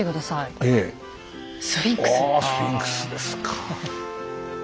おおスフィンクスですか。